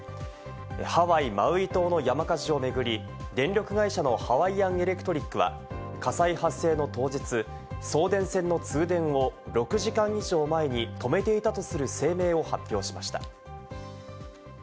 ハワイ・マウイ島の山火事を巡り、電力会社のハワイアン・エレクトリックは、火災発生の当日、送電線の通電を６時間以上前に止めていたとする声明を発表しました。